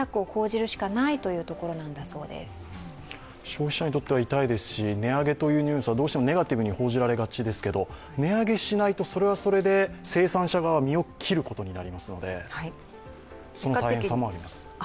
消費者にとっては痛いですし、値上げという話はどうしてもネガティブに報じられがちですけれども、値上げしないとそれはそれで生産者側は身を切ることになりますのでその大変さもあります。